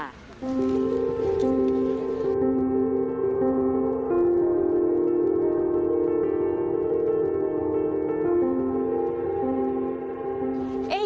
ด้วยค่ะ